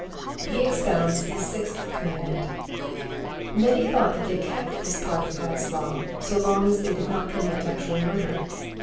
He expounds tJte sixth commandment Many thought that they kept this part of God's law, so long as they did not commit actual murder.